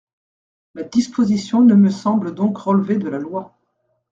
La disposition ne me semble donc relever de la loi.